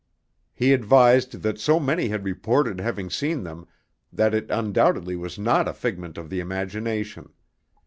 He advised that so many had reported having seen them that it undoubtedly was not a figment of the imagination.